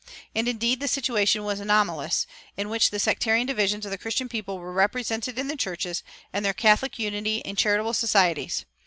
And, indeed, the situation was anomalous, in which the sectarian divisions of the Christian people were represented in the churches, and their catholic unity in charitable societies.